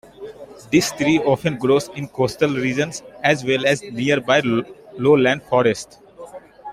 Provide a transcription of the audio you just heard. This tree often grows in coastal regions, as well as nearby lowland forests.